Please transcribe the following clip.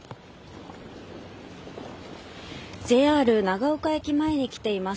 ＪＲ長岡駅前に来ています。